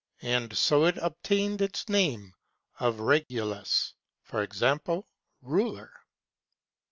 And so it obtained its name of Regulus '(i.e. "ruler").